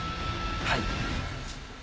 はい。